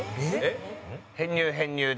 編入、編入で。